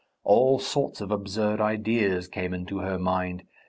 All sorts of absurd ideas came into her mind.